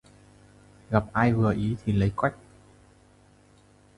Gặp ai vừa ý thì lấy quách!